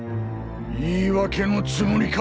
言い訳のつもりか。